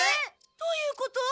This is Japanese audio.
どういうこと？